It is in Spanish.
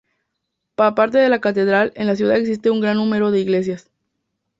Aparte de la catedral, en la ciudad existe un gran número de iglesias.